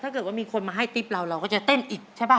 ถ้าเกิดว่ามีคนมาให้ติ๊บเราเราก็จะเต้นอีกใช่ป่